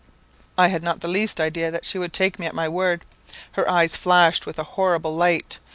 "I had not the least idea that she would take me at my word. Her eyes flashed with a horrible light.